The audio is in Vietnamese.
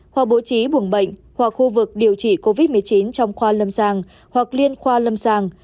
hoặc bố trí buồng bệnh hoặc khu vực điều trị covid một mươi chín trong khoa lâm sàng hoặc liên khoa lâm sàng